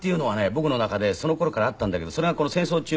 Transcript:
僕の中でその頃からあったんだけどそれがこの戦争中